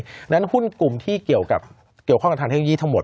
เพราะฉะนั้นหุ้นกลุ่มที่เกี่ยวข้องกับทางเทคโนโลยีทั้งหมด